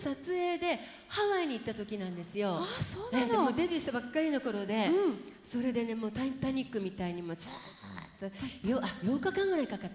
デビューしたばっかりの頃でそれでね「タイタニック」みたいにずっと８日間ぐらいかかったかな。